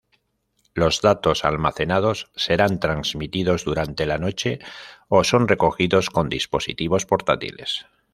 Los datos almacenados serán transmitidos durante la noche o son recogidos con dispositivos portátiles.